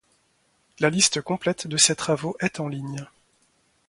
La liste complète de ses travaux est en ligne.